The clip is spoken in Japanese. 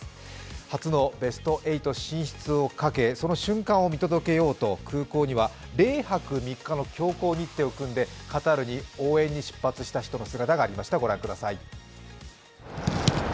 初のベスト８進出をかけその瞬間を見届けようと空港には０泊３日の強行日程を組んでカタールに応援に出発した人の姿がありました。